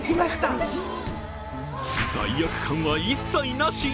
罪悪感は一切なし？